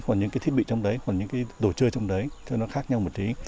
hoặc những cái thiết bị trong đấy còn những cái đồ chơi trong đấy cho nó khác nhau một tí